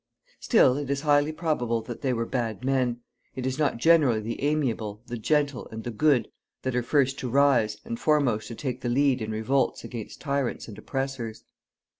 Still, it is highly probable that they were bad men. It is not generally the amiable, the gentle, and the good that are first to rise, and foremost to take the lead in revolts against tyrants and oppressors.